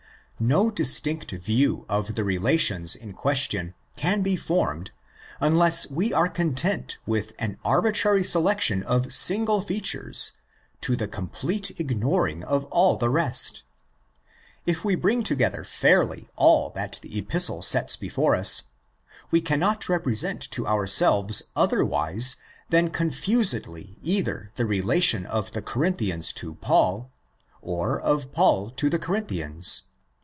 No distinct view of the relations in question can be formed unless we are content with an arbitrary selec tion of single features to the complete ignoring of all the rest. If we bring together fairly all that the Epistle sets before us, we cannot represent to our selves otherwise than confusedly either the relation of the Corinthians to Paul or of Paul to the Corinthians.